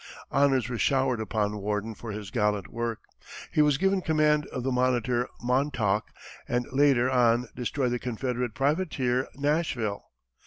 Honors were showered upon Worden for his gallant work. He was given command of the monitor Montauk, and later on destroyed the Confederate privateer Nashville.